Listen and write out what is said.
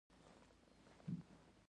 دوی باید د شاه عالم ګټې خوندي کړي.